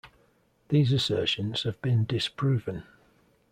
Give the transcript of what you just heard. These assertions have been disproven.